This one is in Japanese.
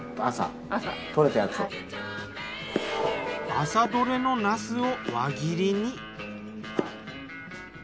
朝採れのなすを輪切りに。